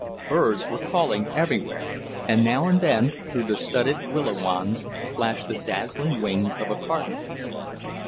Birds were calling everywhere, and now and then, through the studded willow wands, flashed the dazzling wing of a cardinal.